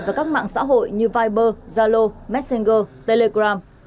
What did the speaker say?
và các mạng xã hội như viber zalo messenger telegram